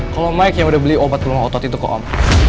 kalau mike ya udah beli obat belum otot itu kok om